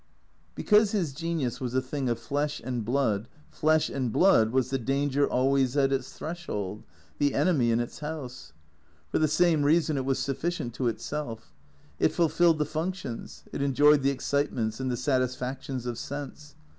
Because his genius was a thing of flesh and blood, flesh and blood was the danger always at its threshold, the enemy in its house. For the same reason it was sufficient to itself. It ful filled the functions, it enjoyed the excitements and the satisfac tions of sense.